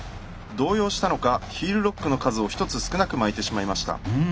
動揺したのかヒールロックの数を１つ少なく巻いてしまいました。